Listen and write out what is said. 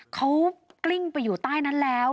เขากลิ้งไปอยู่ใต้นั้นแล้ว